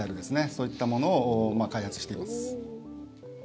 そういったものを開発しています。